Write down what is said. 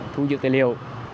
thu dự tài liệu